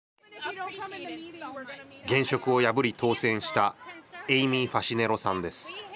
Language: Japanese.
現職を破り当選したエイミー・ファシネロさんです。